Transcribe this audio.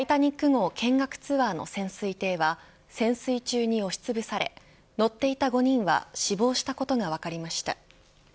タイタニック号見学ツアーの潜水艇は潜水中に押しつぶされ乗っていた５人は死亡したことが分かりました。